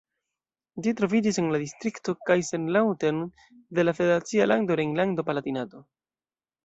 Ĝi troviĝis en la distrikto Kaiserslautern de la federacia lando Rejnlando-Palatinato.